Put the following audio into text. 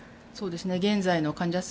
現在の患者数